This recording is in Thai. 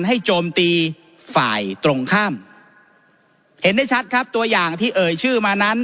โจมตีฝ่ายตรงข้ามเห็นได้ชัดครับตัวอย่างที่เอ่ยชื่อมานั้น